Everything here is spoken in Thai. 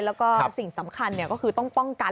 แล้วก็สิ่งสำคัญก็คือต้องป้องกัน